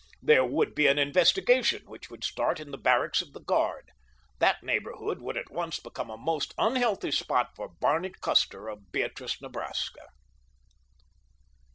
There would be an investigation, which would start in the barracks of the guard. That neighborhood would at once become a most unhealthy spot for Barney Custer, of Beatrice, Nebraska.